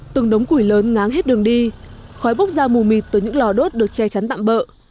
từng đống củi lớn ngáng hết đường đi khói bốc ra mù mịt từ những lò đốt được che chắn tạm bỡ